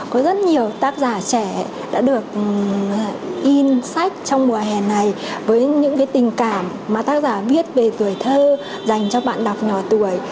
có rất nhiều tác giả trẻ đã được in sách trong mùa hè này với những tình cảm mà tác giả viết về tuổi thơ dành cho bạn đọc nhỏ tuổi